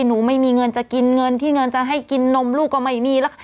หนูไม่มีเงินจะกินเงินที่ให้กินนมลูกลงมาอย่างนี้